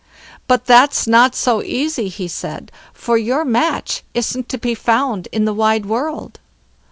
"But that's not so easy", he said, "for your match isn't to be found in the wide world."